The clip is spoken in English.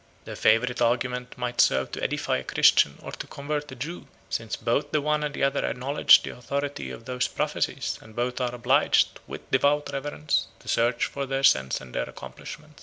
Their favorite argument might serve to edify a Christian or to convert a Jew, since both the one and the other acknowledge the authority of those prophecies, and both are obliged, with devout reverence, to search for their sense and their accomplishment.